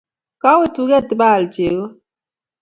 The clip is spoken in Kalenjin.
Kawe tuget ipaal chego